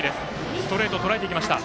ストレートをとらえていきました。